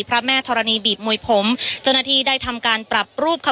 พระแม่ธรณีบีบมวยผมเจ้าหน้าที่ได้ทำการปรับรูปค่ะ